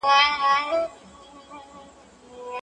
هانمین د کتابونو د پرتله کولو لپاره هڅه وکړه.